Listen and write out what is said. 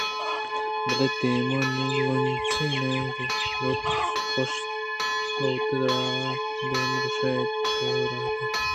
بلے دیم ءِ لونجانیں لوت پُشت ءِ لوت ءَ را دائم گوٛشیت تو رَدِیاں سربارے